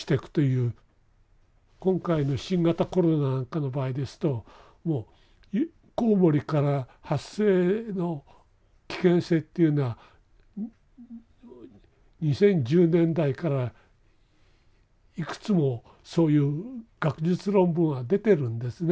今回の新型コロナなんかの場合ですとコウモリから発生の危険性というのは２０１０年代からいくつもそういう学術論文は出てるんですね。